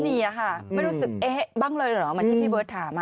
ไม่รู้สึกอ๊ะบ้างเลยหรอมันที่พี่เวิร์ทถาม